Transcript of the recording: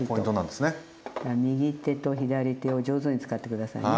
右手と左手を上手に使って下さいね。